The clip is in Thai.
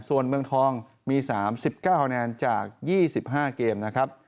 ส่วนเมืองทองมี๓๙คะแนนจาก๒๕เกมนะครับ